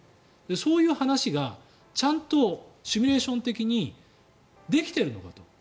そういう話がちゃんとシミュレーション的にできているのかと。